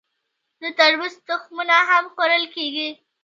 د تربوز تخمونه هم خوړل کیږي.